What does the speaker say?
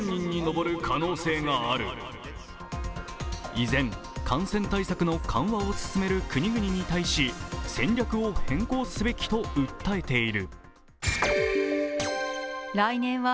依然、感染対策の緩和を進める国々対し戦略を変更すべきと訴えている。